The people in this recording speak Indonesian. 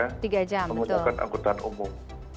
menggunakan angkutan umum